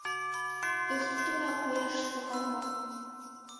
Өҫтөңә ҡояш сығарма.